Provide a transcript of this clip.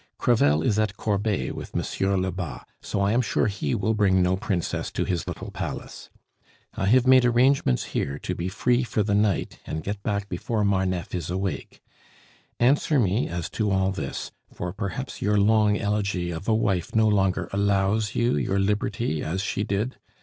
Crevel is at Corbeil with Monsieur Lebas; so I am sure he will bring no princess to his little palace. I have made arrangements here to be free for the night and get back before Marneffe is awake. Answer me as to all this, for perhaps your long elegy of a wife no longer allows you your liberty as she did.